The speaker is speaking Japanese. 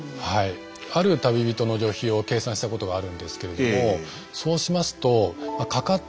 ある旅人の旅費を計算したことがあるんですけれどもそうしますとハハハッ！